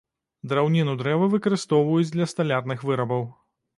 Драўніну дрэва выкарыстоўваюць для сталярных вырабаў.